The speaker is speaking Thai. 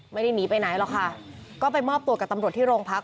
ไม่ได้หนีไปไหนหรอกค่ะก็ไปมอบตัวกับตำรวจที่โรงพัก